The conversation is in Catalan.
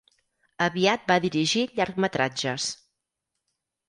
Aviat va dirigir llargmetratges.